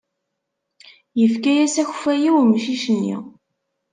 Yefka-as akeffay i umcic-nni.